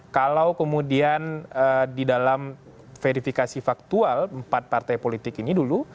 kalau kemudian di dalam verifikasi faktual empat partai politik ini dulu